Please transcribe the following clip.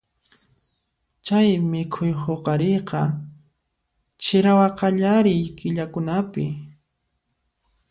Chay mikhuy huqariyqa chirawa qallariy killakunapi.